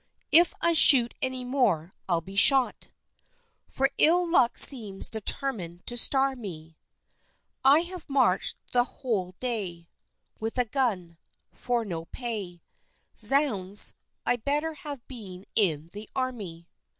_ If I shoot any more I'll be shot, For ill luck seems determined to star me, I have march'd the whole day With a gun, for no pay Zounds, I'd better have been in the army!